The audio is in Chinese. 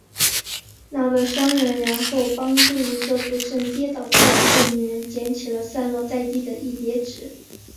那个商人然后帮助一个不慎跌倒在地的女人捡起了散落在地的一叠纸。